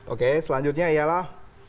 oke selanjutnya iyalah